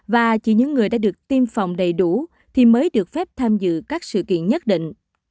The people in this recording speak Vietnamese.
và chỉ những người đã được tiêm phòng đầy đủ thì mới được phép tham dự các sự kiện nhất định